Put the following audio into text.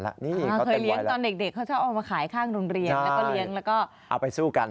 เคยเลี้ยงตอนเด็กเขาชอบเอามาขายข้างโรงเรียนแล้วก็เลี้ยงแล้วก็เอาไปสู้กัน